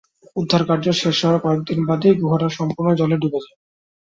উদ্ধারকার্য শেষ হওয়ার কয়েক দিন বাদেই গুহাটা সম্পূর্ণ জলে ডুবে যায়।